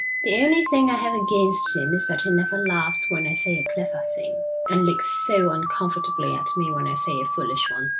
The only thing I have against him is that he never laughs when I say a clever thing, and looks so uncomfortably at me when I say a foolish one.'